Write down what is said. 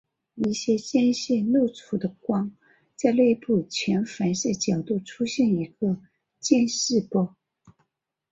一些间隙漏出的光在内部全反射角度出现一个渐逝波。